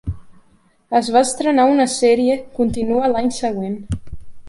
Es va estrenar una sèrie continua l'any següent.